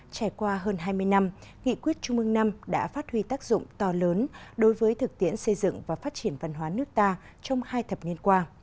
trải qua hơn hai mươi năm nghị quyết trung mương năm đã phát huy tác dụng to lớn đối với thực tiễn xây dựng và phát triển văn hóa nước ta trong hai thập niên qua